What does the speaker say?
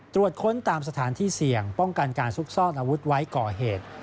ตรวจค้นตามสถานที่เสี่ยงป้องกันการซุกซ่อนอาวุธไว้ก่อเหตุ